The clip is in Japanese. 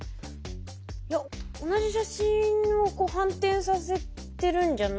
いや同じ写真を反転させてるんじゃないですか？